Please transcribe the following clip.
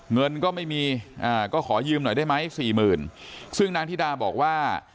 เงินก็ไม่มีก็ขอยืมหน่อยได้ไหม๔๐๐๐๐ซึ้งนางอินทิราบอกว่า